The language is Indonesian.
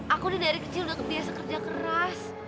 aku udah dari kecil udah biasa kerja keras